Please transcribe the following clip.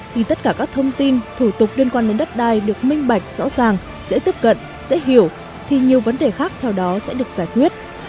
khi tất cả các thông tin thủ tục liên quan đến đất đai được minh bạch rõ ràng dễ tiếp cận dễ hiểu thì nhiều vấn đề khác theo đó sẽ được giải quyết